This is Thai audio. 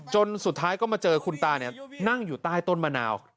จนสุดท้ายก็มาเจอคุณตานั่งอยู่ใต้ต้นมะนาว